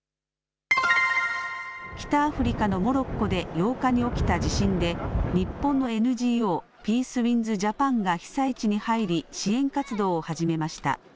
北アフリカのモロッコで８日に起きた地震で日本のＮＧＯ、ピースウィンズ・ジャパンが被災地に入り支援活動を始めました。